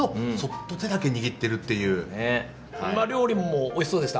料理もおいしそうでした。